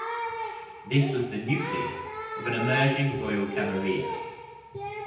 This was the nucleus of an emerging royal camarilla.